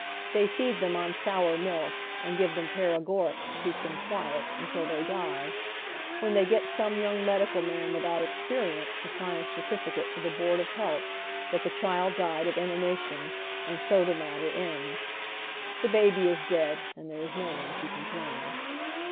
They feed them on sour miik, and give them paregoric to keep them quiet, until they die, when tliey get some young medical man without experience to sign a certificate to the Board of Health that the child died of inanition, and so the matter ends. The baby is dead, and there is no one to com plain."